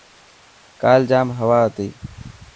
ڪال ڄام هوا هتي.